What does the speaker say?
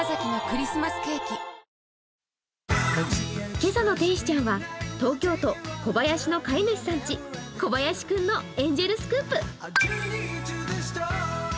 今朝の天使ちゃんは、東京都・小林の飼い主さん家の小林くんのエンジェルスクープ。